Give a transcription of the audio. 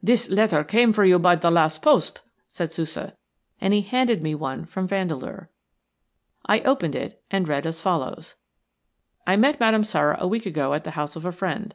"This letter came for you by the last post," said Sousa, and he handed me one from Vandeleur. I opened it and read as follows:– "I met Madame Sara a week ago at the house of a friend.